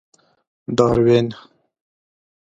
داروېن.